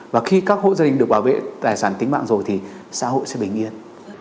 và khi các hộ gia đình được bảo vệ tài sản tính mạng rồi thì xã hội sẽ bình yên